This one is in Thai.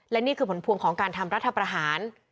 และนี่คือผลพวงของการทำรัฐประหาร